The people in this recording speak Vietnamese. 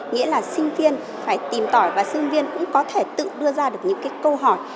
nghĩa là sinh viên phải tìm tỏi và sinh viên cũng có thể tự đưa ra được những cái câu hỏi